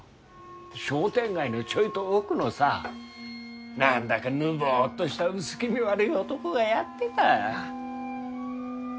商店街のちょいと奥のさ何だかぬぼっとした薄気味悪い男がやってた。